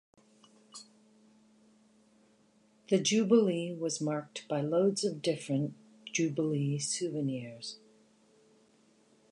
The Jubilee was marked by loads of different Jubilee souvenirs.